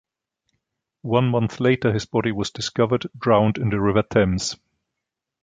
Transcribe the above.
One month later his body was discovered drowned in the River Thames.